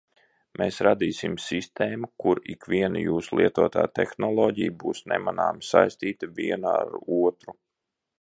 Mēs radīsim sistēmu, kur ikviena jūsu lietotā tehnoloģija būs nemanāmi saistīta viena ar otru.